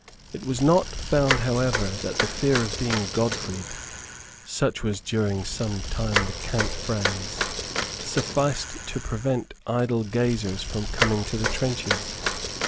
It was not found however that the fear of being Godfreyed, such was during some time the cant phrase, sufficed to prevent idle gazers from coming to the trenches.